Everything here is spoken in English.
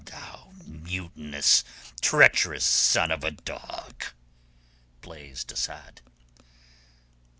"Thou mutinous, treacherous son of a dog!" blazed Asad.